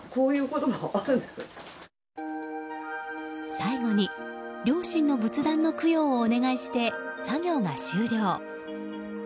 最後に両親の仏壇の供養をお願いして作業が終了。